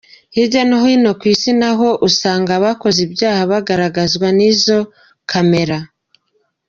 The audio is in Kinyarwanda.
Hirya no hino ku Isi, naho usanga abakoze ibyaha bagaragazwa n’izo Camera.